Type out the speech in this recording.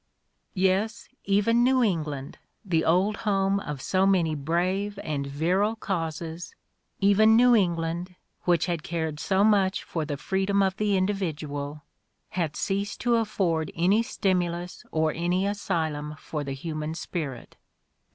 Yes, even New England, the old home of so many^ brave and virile causes, even New England, which had cared so much for the freedom of the individual, had' ceased to afford any stimulus or any asylum for the human spirit.